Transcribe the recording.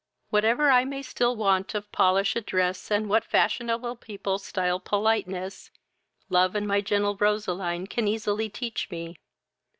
"Whatever I may still want of polish, address, and what fashionable people stile politeness, love and my gentle Roseline can easily teach me.